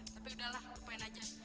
tapi udahlah lupain aja